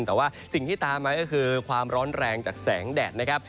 แต่ว่าสิ่งที่ตามมาก็คือความร้อนแรงจากแสงแดดนะครับ